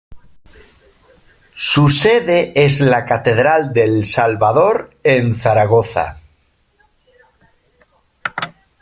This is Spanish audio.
Su sede es la Catedral del Salvador en Zaragoza.